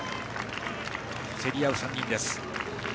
競り合う３人です。